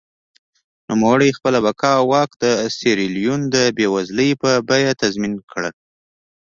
نوموړي خپله بقا او واک د سیریلیون د بېوزلۍ په بیه تضمین کړل.